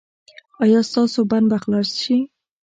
ایا ستاسو بند به خلاص شي؟